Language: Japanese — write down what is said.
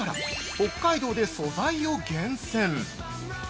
北海道で素材を厳選。